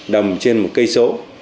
đồng trên một km